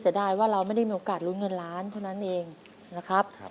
ได้ว่าเราไม่ได้มีโอกาสลุ้นเงินล้านเท่านั้นเองนะครับ